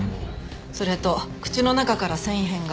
それと口の中から繊維片が。